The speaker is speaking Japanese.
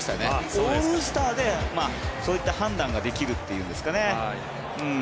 オールスターでそういった判断ができるというんですかね。